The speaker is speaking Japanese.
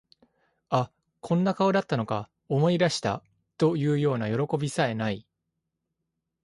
あ、こんな顔だったのか、思い出した、というようなよろこびさえ無い